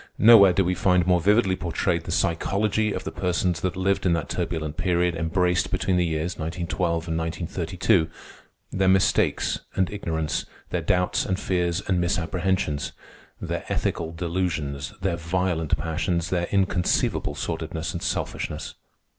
Nowhere do we find more vividly portrayed the psychology of the persons that lived in that turbulent period embraced between the years 1912 and 1932—their mistakes and ignorance, their doubts and fears and misapprehensions, their ethical delusions, their violent passions, their inconceivable sordidness and selfishness.